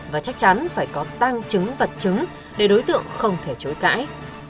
và chắc chắn phải có tăng chứng vật chứng để đối tượng không thể chối cãi